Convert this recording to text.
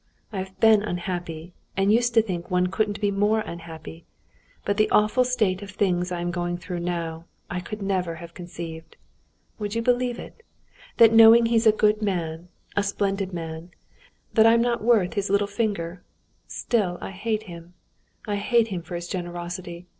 I have been unhappy, and used to think one couldn't be more unhappy, but the awful state of things I am going through now, I could never have conceived. Would you believe it, that knowing he's a good man, a splendid man, that I'm not worth his little finger, still I hate him. I hate him for his generosity.